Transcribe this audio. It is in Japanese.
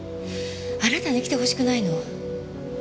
あなたに来てほしくないの。